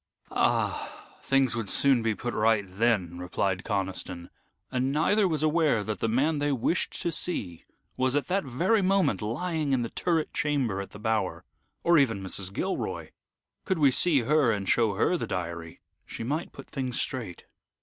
"Ah! Things would soon be put right then," replied Conniston, and neither was aware that the man they wished to see was at that very moment lying in the turret chamber at the Bower, "or even Mrs. Gilroy. Could we see her, and show her the diary, she might put things straight."